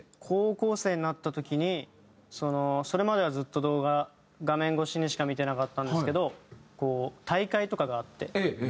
高校生になった時にそれまではずっと動画画面越しにしか見てなかったんですけどこう大会とかがあって。